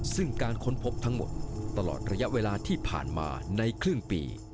ซึ่งการค้นพบทั้งหมดตลอดระยะเวลาที่ผ่านมาในครึ่งปี